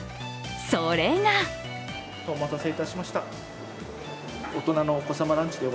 それがお待たせいたしました。